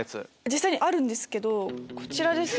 実際あるんですけどこちらです。